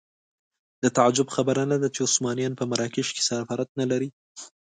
د تعجب خبره نه ده چې عثمانیان په مراکش کې سفارت نه لري.